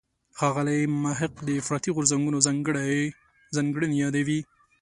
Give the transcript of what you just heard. ښاغلی محق د افراطي غورځنګونو ځانګړنې یادوي.